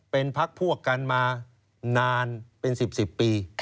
เป็นพักพวกกันมานานเป็น๑๐๑๐ปี